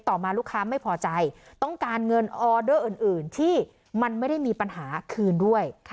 ต่อมาลูกค้าไม่พอใจต้องการเงินออเดอร์อื่นที่มันไม่ได้มีปัญหาคืนด้วย